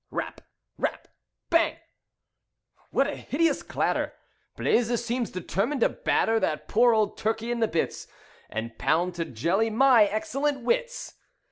Rap! Rap! Bang! "What a hideous clatter! Blaise seems determined to batter That poor old turkey into bits, And pound to jelly my excellent wits.